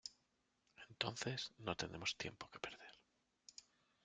Entonces no tenemos tiempo que perder.